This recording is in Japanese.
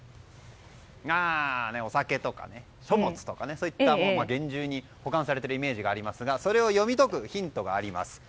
お酒とか書物とかそういったものが厳重に保管されているイメージがありますがそれを読み解くヒントがあります。